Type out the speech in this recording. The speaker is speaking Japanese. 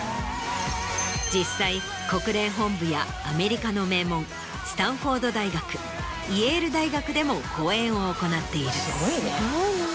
実際国連本部やアメリカの名門スタンフォード大学イェール大学でも講演を行っている。